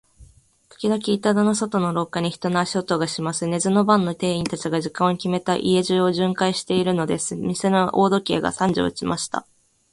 ときどき、板戸の外の廊下に、人の足音がします。寝ずの番の店員たちが、時間をきめて、家中を巡回じゅんかいしているのです。店の大時計が三時を打ちました。